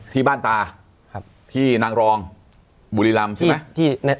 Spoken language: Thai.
ที่บ้านตาที่นางรองบุรีรำใช่ไหม